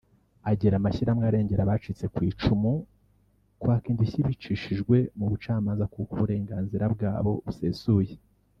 Agira inama amashyirahamwe arengera abacitse ku icumu kwaka indishyi bicishijwe mu bucamanza kuko ari uburenganzira bwabo busesuye